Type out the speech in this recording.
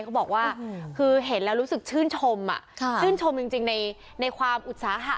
เขาบอกว่าคือเห็นแล้วรู้สึกชื่นชมชื่นชมจริงในความอุตสาหะ